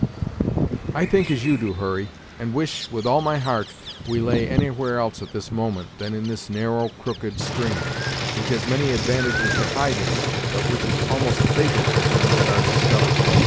"I think as you do, Hurry, and wish, with all my heart, we lay anywhere else, at this moment, than in this narrow, crooked stream, which has many advantages to hide in, but which is almost fatal to them that are discovered.